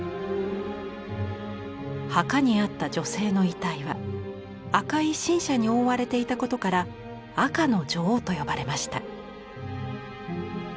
墓にあった女性の遺体は赤い辰砂に覆われていたことから「赤の女王」と呼ばれました。